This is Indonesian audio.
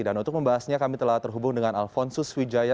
dan untuk membahasnya kami telah terhubung dengan alfonso suwijaya